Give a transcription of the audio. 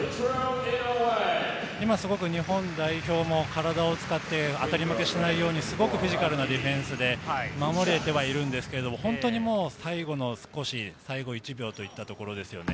今すごく日本代表も体を使って当たり負けしないように、すごくフィジカルなディフェンスで守れてはいるんですけれども、本当に最後の少し、最後１秒といったところですよね。